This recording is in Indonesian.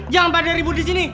jangan pada ribut disini